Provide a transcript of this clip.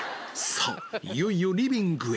さあ、いよいよリビングへ。